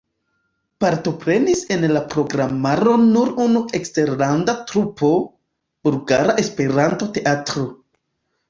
Partoprenis en la programaro nur unu eksterlanda trupo: Bulgara Esperanto-Teatro.